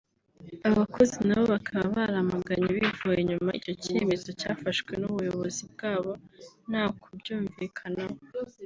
abakozi nabo bakaba baramaganye bivuye inyuma icyo cyemezo cyafashwe n’ubuyobozi bwabo nta ku byumvikanaho